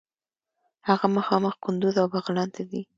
هغه مخامخ قندوز او بغلان ته ځي.